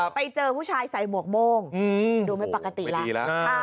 ไปเจอผู้ชายใส่หมวกโม่งดูไม่ปกติแล้ว